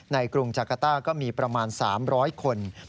กรุงจักรต้าก็มีประมาณ๓๐๐คน